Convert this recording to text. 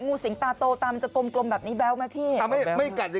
งูสายแบ๊วค่ะ